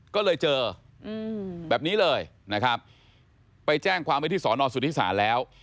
ก็เลยเจอแบบนี้เลยนะครับไปแจ้งความไว้ที่สอนอสุทธิศาลแล้ว